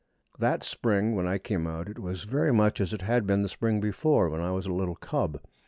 That spring when I came out it was very much as it had been the spring before, when I was a little cub.